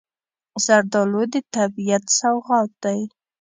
زردالو د طبیعت سوغات دی.